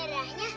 kok ada darahnya